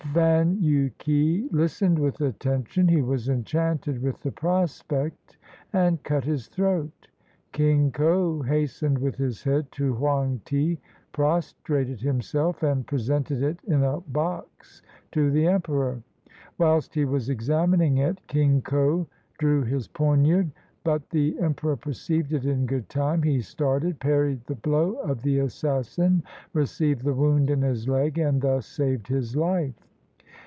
Fan yu ke listened with attention; he was enchanted with the prospect and cut his throat. King ko hastened with his head to Hoang ti, prostrated himself, and presented it in a box to the emperor. Whilst he was examining it, King ko drew his poniard, but the em peror perceived it in good time; he started, parried the blow of the assassin, received the wound in his leg, and thus saved his life.